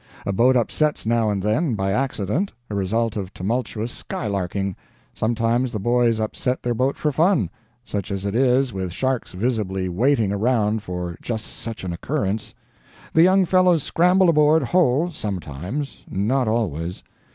A boat upsets now and then, by accident, a result of tumultuous skylarking; sometimes the boys upset their boat for fun such as it is with sharks visibly waiting around for just such an occurrence. The young fellows scramble aboard whole sometimes not always.